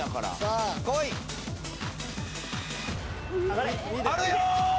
・あるよ！